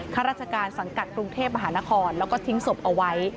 ข้าราชการสังกัดกรุงเทพมหานครแล้วก็ทิ้งศพเอาไว้